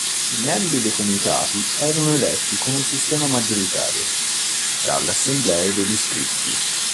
I membri dei comitati erano eletti con un sistema maggioritario dalle assemblee degli iscritti.